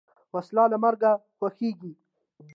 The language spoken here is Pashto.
وسله له مرګه خوښیږي